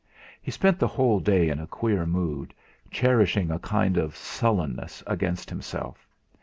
He spent the whole day in a queer mood, cherishing a kind of sullenness against himself.